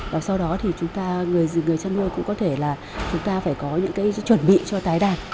và sau đó thì người chăn nuôi cũng có thể là chúng ta phải có những cái chuẩn bị cho tái đàn